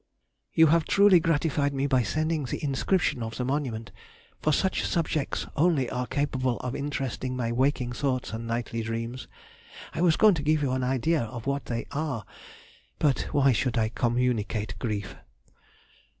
You have truly gratified me by sending the inscription of the monument, for such subjects only are capable of interesting my waking thoughts and nightly dreams. I was going to give you an idea of what they are; but why should I communicate grief?